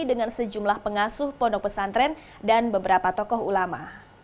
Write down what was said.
dengan sejumlah pengasuh pondok pesantren dan beberapa tokoh ulama